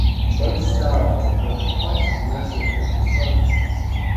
Both stars are over twice as massive as the Sun.